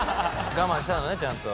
我慢したのねちゃんと。